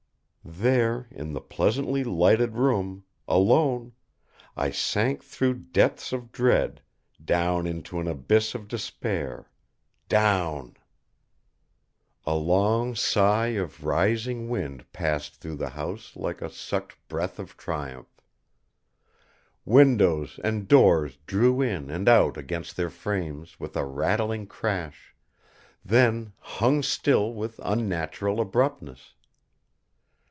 There in the pleasantly lighted room, alone, I sank through depths of dread, down into an abyss of despair, down A long sigh of rising wind passed through the house like a sucked breath of triumph. Windows and doors drew in and out against their frames with a rattling crash, then hung still with unnatural abruptness.